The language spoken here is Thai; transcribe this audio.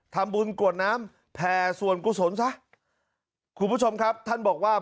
ทำบุญกรวดน้ำแผ่ส่วนกุศลซะคุณผู้ชมครับท่านบอกว่า